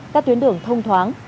các tuyến đường thông thoáng